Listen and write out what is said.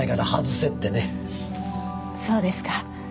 そうですか。